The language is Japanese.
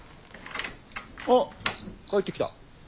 おっ帰って来た。